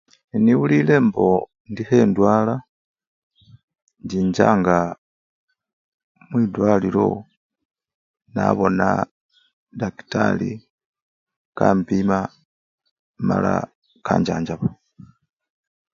Nga niwulile mbo indi khendwala, inchichanga mwitwalilo, nabona dakitari mala kanchanjanba.